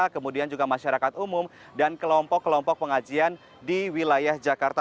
kemudian juga masyarakat umum dan kelompok kelompok pengajian di wilayah jakarta